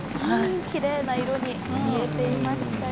きれいな色に煮えていましたよ。